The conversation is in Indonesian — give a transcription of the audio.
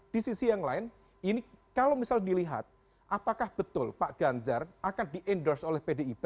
di sisi yang lain ini kalau misal dilihat apakah betul pak ganjar akan di endorse oleh pdip